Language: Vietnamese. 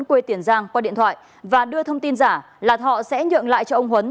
quê tiền giang qua điện thoại và đưa thông tin giả là thọ sẽ nhượng lại cho ông huấn